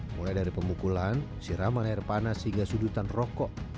mulai dari pemukulan siraman air panas hingga sudutan rokok